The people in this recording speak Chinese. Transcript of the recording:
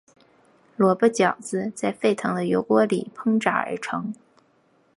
萝卜饺子在沸腾的油锅里烹炸而成。